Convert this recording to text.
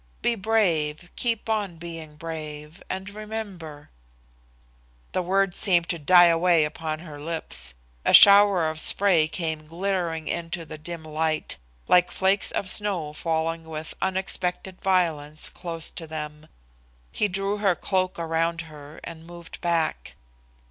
Be brave, keep on being brave, and remember " The words seemed to die away upon her lips. A shower of spray came glittering into the dim light, like flakes of snow falling with unexpected violence close to them. He drew her cloak around her and moved back.